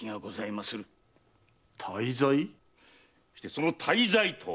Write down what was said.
その大罪とは？